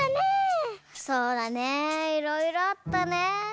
そうだねいろいろあったねぇ。